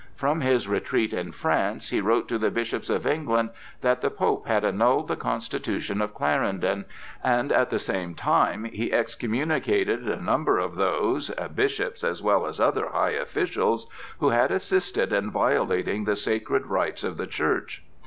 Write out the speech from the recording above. From his retreat in France he wrote to the bishops of England that the Pope had annulled the Constitution of Clarendon, and at the same time he excommunicated a number of those, bishops as well as other high officials, who had assisted in violating the sacred rights of the Church.